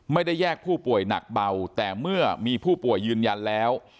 แยกผู้ป่วยหนักเบาแต่เมื่อมีผู้ป่วยยืนยันแล้ว